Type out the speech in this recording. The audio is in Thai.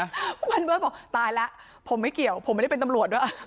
คุณวันเบิร์ตบอกตายแล้วผมไม่เกี่ยวผมไม่ได้เป็นตำรวจด้วย